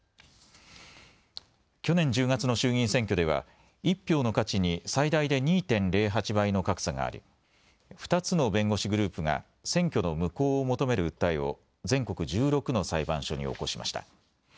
去年１０月の衆議院選挙では１票の価値に最大で２．０８倍の格差があり２つの弁護士グループが選挙の無効を求める訴えを全国１６の裁判所に起こしました。